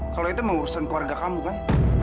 kalau itu menguruskan keluarga kamu kan